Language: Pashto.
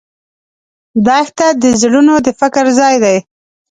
دښته د زړونو د فکر ځای دی.